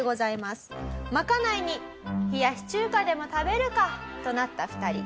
賄いに冷やし中華でも食べるかとなった２人。